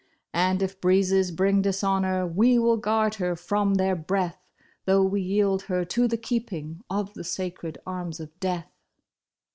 "And if breezes bring dishonor, we will guard her from their breath. Though we yield her to the keeping of the sacred arms of Death."